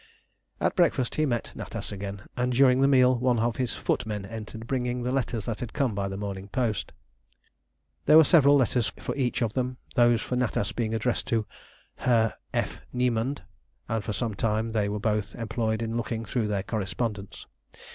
At breakfast he met Natas again, and during the meal one of his footmen entered, bringing the letters that had come by the morning post. There were several letters for each of them, those for Natas being addressed to "Herr F. Niemand," and for some time they were both employed in looking through their correspondence.